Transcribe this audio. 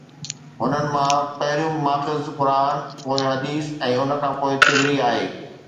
انهن مان پهريون ماخذ قرآن، پوءِ حديث ۽ ان کان پوءِ طبري آهي.